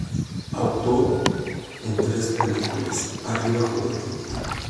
Actuó en tres películas, "¡Arriba juventud!